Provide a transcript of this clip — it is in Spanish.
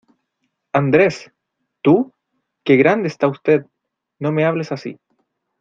¡Andrés! ¿Tú? ¡Qué grande está usted! no me hables así.